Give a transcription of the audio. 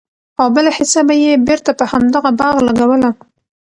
او بله حيصه به ئي بيرته په همدغه باغ لګوله!!